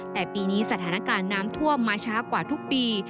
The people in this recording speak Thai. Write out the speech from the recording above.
แต่ปีนี้สถานการณ์น้ำท่วมมาช้ากว่าทุกปี